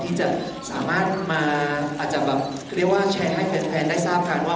ที่จะสามารถมาอาจจะแบบเรียกว่าแชร์ให้แฟนได้ทราบกันว่า